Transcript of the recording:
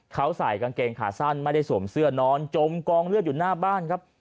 เขาใส่กางเกงขาสั้นไม่ได้สวมเสื้อนอนจมกองเลือดอยู่หน้าบ้านครับ